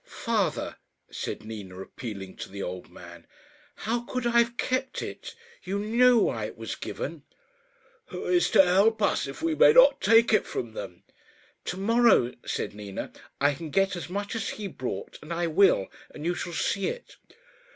"Father," said Nina, appealing to the old man, "how could I have kept it? You knew why it was given." "Who is to help us if we may not take it from them?" "To morrow," said Nina, "I can get as much as he brought. And I will, and you shall see it."